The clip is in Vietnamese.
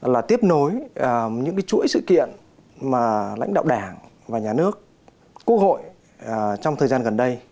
là tiếp nối những chuỗi sự kiện mà lãnh đạo đảng và nhà nước quốc hội trong thời gian gần đây